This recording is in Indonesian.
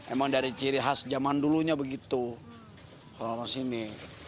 emang dari ciri khas zaman dulunya begitu orang orang sini